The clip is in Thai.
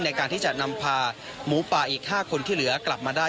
ในการที่จะนำพาหมูป่าอีก๕คนที่เหลือกลับมาได้